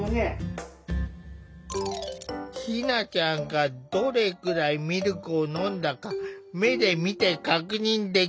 ひなちゃんがどれくらいミルクを飲んだか目で見て確認できない。